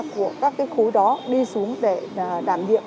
của các khối đó đi xuống để đảm nhiệm